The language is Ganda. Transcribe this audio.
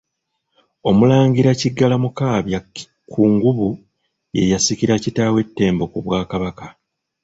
OMULANGIRA Kiggala Mukaabya Kkungubu ye yasikira kitaawe Ttembo ku Bwakabaka.